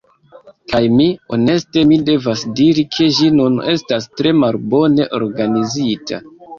Kaj mi… Honeste mi devas diri, ke ĝi nun estas tre malbone organizita.